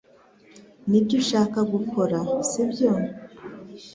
Nibyo ushaka gukora, sibyo?